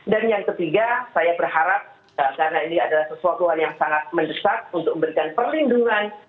dan yang ketiga saya berharap karena ini adalah sesuatu yang sangat mendesak untuk memberikan perlindungan